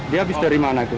dia habis dari mana itu